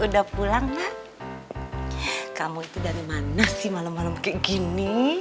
udah pulang mak kamu itu dari mana sih malem malem kayak gini